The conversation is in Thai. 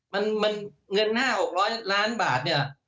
มันเงิน๕๖๐๐ล้านบาทเนี่ย